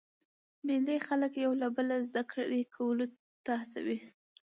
مېلې خلک یو له بله زده کړي کولو ته هڅوي.